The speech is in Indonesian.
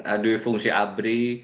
adui fungsi abri